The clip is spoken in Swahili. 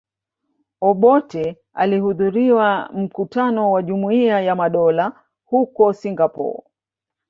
Obote alihudhuria mkutano wa Jumuiya ya Madola huko Singapore